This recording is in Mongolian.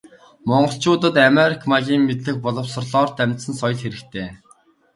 Монголчуудад америк маягийн мэдлэг боловсролоор дамжсан соёл хэрэгтэй.